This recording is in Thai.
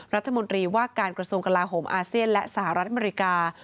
รัฐมนตรีว่าการกระทรวงกลาโหมอาเซียนและสหรัฐอเมริกา